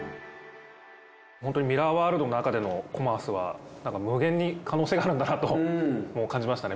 本当にミラーワールドのなかでのコマースは無限に可能性があるんだなと感じましたね。